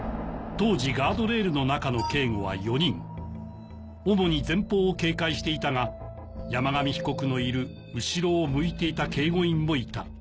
当時ガードレールの中の警護は４人主に前方を警戒していたが山上被告のいる後ろを向いていた警護員もいた